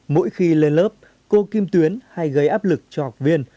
mỗi khi lên lớp cô kim tuyến hay gây áp lực cho học viên